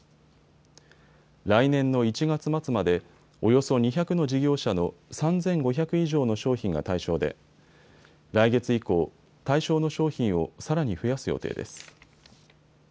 来年の１月末までおよそ２００の事業者の３５００以上の商品が対象で来月以降、対象の商品をさらに増やす予定です。